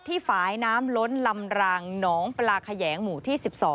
ฝ่ายน้ำล้นลำรางหนองปลาแขยงหมู่ที่๑๒